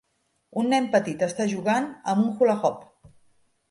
Un nen petit està jugant amb un hula hoop.